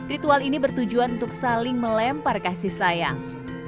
ritual ini bertujuan untuk saling melempar kasih sayang